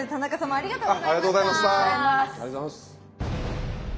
ありがとうございます。